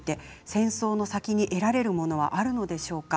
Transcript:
戦争の先に得られるものはあるんでしょうか。